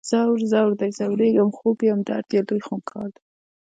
ځور، ځور دی ځوریږم خوږ یم درد یې لوی خونکار دی